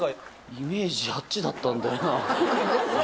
イメージ、あっちだったんだよな。